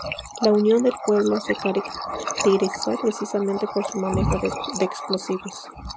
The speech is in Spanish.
La Unión del Pueblo se caracterizó precisamente por su manejo de explosivos.